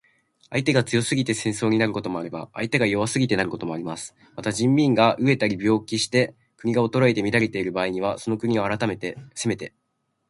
相手が強すぎて戦争になることもあれば、相手が弱すぎてなることもあります。また、人民が餓えたり病気して国が衰えて乱れている場合には、その国を攻めて